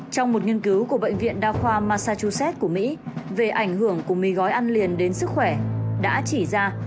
trong một nghiên cứu của bệnh viện đa khoa massachusett của mỹ về ảnh hưởng của mì gói ăn liền đến sức khỏe đã chỉ ra